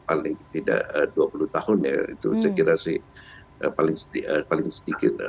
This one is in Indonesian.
paling tidak dua puluh tahun ya itu saya kira sih paling sedikit